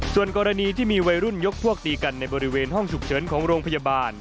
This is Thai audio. ส่วนกรณีที่มีวัยรุ่นยกพวกตีกันในบริเวณห้องฉุกเฉินของโรงพยาบาล